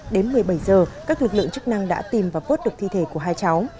đến một mươi bảy h các lực lượng chức năng đã tìm và vớt được thi thể của hai cháu